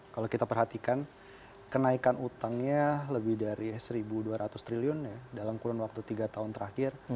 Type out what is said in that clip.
kalau kita perhatikan kenaikan utangnya lebih dari satu dua ratus triliun ya dalam kurun waktu tiga tahun terakhir